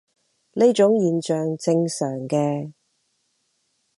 呢種現象正常嘅